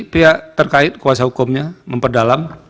pihak terkait kuasa hukumnya memperdalam